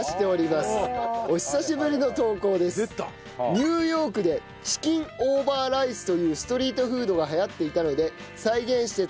ニューヨークでチキンオーバーライスというストリートフードが流行っていたので再現して作ってみました。